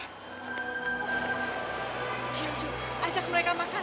gio gio ajak mereka makan